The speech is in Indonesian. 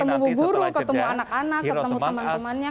ketemu guru ketemu anak anak ketemu teman temannya